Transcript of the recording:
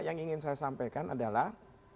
yang ingin saya sampaikan adalah